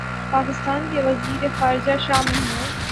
پاکستان کے وزیر خارجہ شاہ محمود